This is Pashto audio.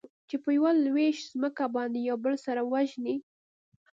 چې په يوه لوېشت ځمکه باندې يو بل سره وژني.